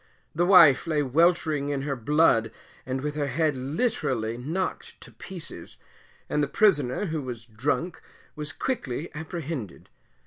The wife lay weltering in her blood and with her head literally knocked to pieces, and the prisoner, who was drunk, was quickly apprehended.